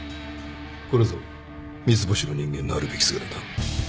これぞ三ツ星の人間のあるべき姿だ。